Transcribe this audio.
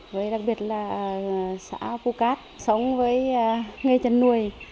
với đặc biệt là xã phu cát sống với nghe chăn nuôi